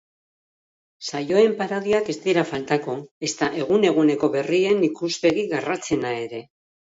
Saioen parodiak ez dira faltako, ezta egun-eguneko berrien ikuspegi garratzena ere.